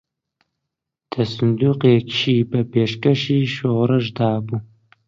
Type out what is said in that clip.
دە سندووقیشی بە پێشکەشی شۆڕش دابوو